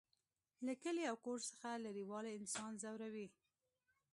له کلي او کور څخه لرېوالی انسان ځوروي